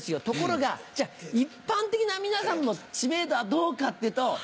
ところが一般的な皆さんの知名度はどうかっていうと。